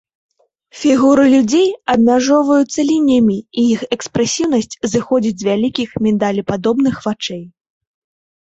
Фігуры людзей абмяжоўваюцца лініямі і іх экспрэсіўнасць зыходзіць з вялікіх міндалепадобных вачэй.